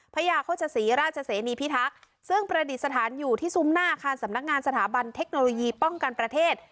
พระยาโฆษศรีราชเสนีพิทักษ์ซึ่งประดิษฐานอยู่ที่ซุ้มหน้าอาคารสำนักงานสถาบันเทคโนโลยีป้องกันประเทศ